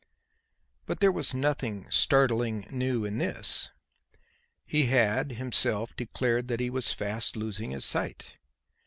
But there was nothing startling new in this. He had, himself, declared that he was fast losing his sight.